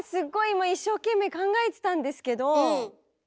今一生懸命考えてたんですけど。